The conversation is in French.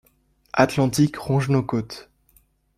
Atlantique ronge nos côtes.